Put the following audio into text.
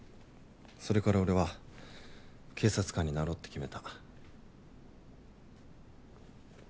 それから俺は警察官になろうって決めた。